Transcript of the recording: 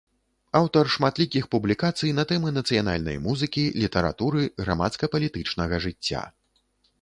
Аўтар шматлікіх публікацый на тэмы нацыянальнай музыкі, літаратуры, грамадска-палітычнага жыцця.